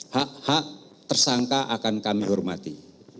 hak hak tersangka akan kami hormati